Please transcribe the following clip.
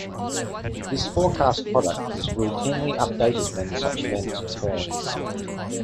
This forecast product is routinely updated when such events occur.